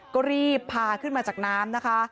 ก็รีบพาขึ้นมาจากน้ำนะคะ